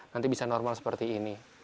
nanti bisa normal seperti ini